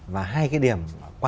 và hai cái điểm